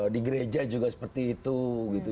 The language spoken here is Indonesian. di gereja juga seperti itu gitu